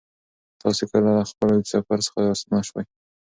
تاسې کله له خپل اوږد سفر څخه راستانه سوئ؟